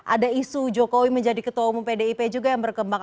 ada isu jokowi menjadi ketua umum pdip juga yang berkembang